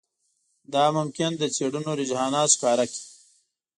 دا ممکن د څېړونکو رجحانات ښکاره کړي